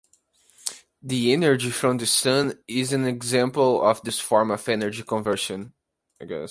The energy from the Sun is an example of this form of energy conversion.